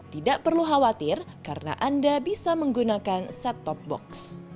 tidak perlu khawatir karena anda bisa menggunakan set top box